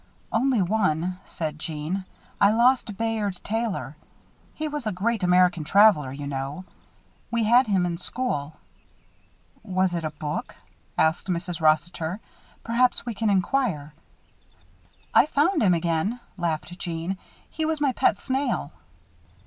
"Only one," said Jeanne. "I lost Bayard Taylor. He was a great American traveler, you know. We had him in school " "Was it a book?" asked Mrs. Rossiter. "Perhaps we can inquire " "I found him again," laughed Jeanne. "He was my pet snail."